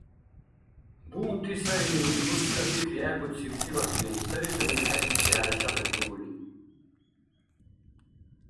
– Дуунти сари, – рурсила пикри гӀеббуциб ЦӀибацли, сарицун ил хӀеркӀличи хӀерашахъес дигули.